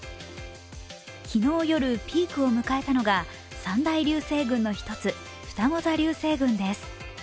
昨日夜、ピークを迎えたのが三大流星群の一つ、ふたご座流星群です。